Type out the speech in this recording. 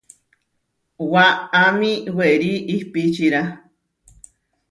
Waʼamí werí ihpíčira.